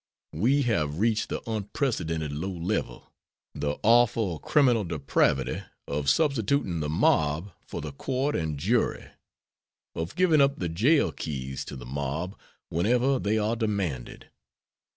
We have reached the unprecedented low level; the awful criminal depravity of substituting the mob for the court and jury, of giving up the jail keys to the mob whenever they are demanded.